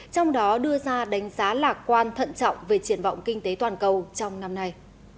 trong đó đưa ra đánh giá lạc quan thận trọng về triển vọng kinh tế toàn cầu trong năm nay